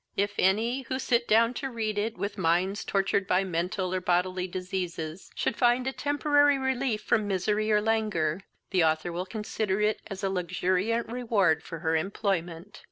If any, who sit down to read it with minds tortured by mental or bodily diseases, should find a temporary relief from misery or languor, the Author will consider it as a luxuriant reward for her employment.